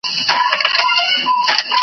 دکلو تږي درې به .